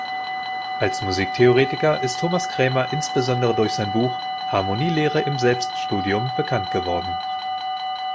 Als Musiktheoretiker ist Thomas Krämer insbesondere durch sein Buch "Harmonielehre im Selbststudium" bekannt geworden.